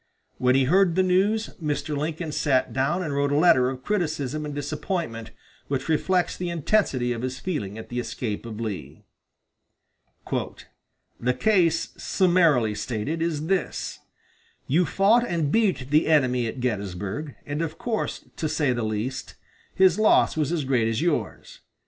When he heard the news, Mr. Lincoln sat down and wrote a letter of criticism and disappointment which reflects the intensity of his feeling at the escape of Lee: "The case, summarily stated, is this: You fought and beat the enemy at Gettysburg, and, of course, to say the least, his loss was as great as yours.